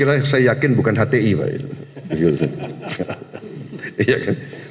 kalau lius saya yakin bukan hti pak